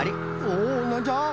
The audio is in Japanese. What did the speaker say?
おなんじゃ？